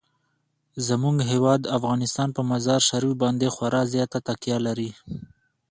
زموږ هیواد افغانستان په مزارشریف باندې خورا زیاته تکیه لري.